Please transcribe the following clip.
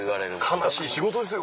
悲しい仕事ですよ